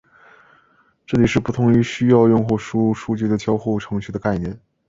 这是不同于需要用户输入数据的交互程序的概念。